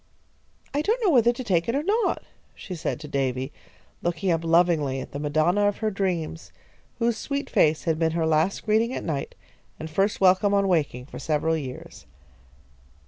"I don't know whether to take it or not," she said to Davy, looking up lovingly at the Madonna of her dreams, whose sweet face had been her last greeting at night, and first welcome on waking, for several years.